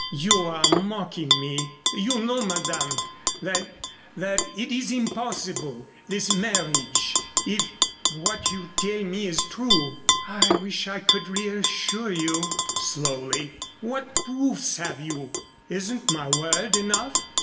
"You are mocking me. You know, Madame that that it is impossible this marriage if what you tell me is true." "I wish I could reassure you," slowly. "What proofs have you?" "Isn't my word enough?"